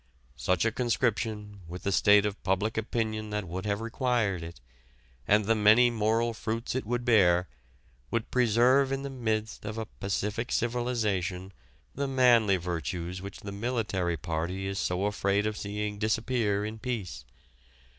such a conscription, with the state of public opinion that would have required it, and the many moral fruits it would bear, would preserve in the midst of a pacific civilization the manly virtues which the military party is so afraid of seeing disappear in peace....